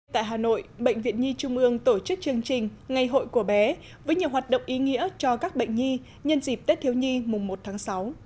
tại hà nội bệnh viện nhi trung ương tổ chức chương trình ngày hội của bé với nhiều hoạt động ý nghĩa cho các bệnh nhi nhân dịp tết thiếu nhi mùng một tháng sáu